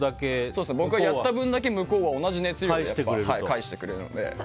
やった分だけ向こうは同じ熱量で返してくれるので。